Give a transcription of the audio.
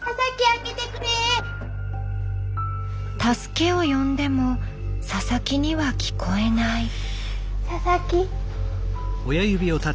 助けを呼んでも佐々木には聞こえない。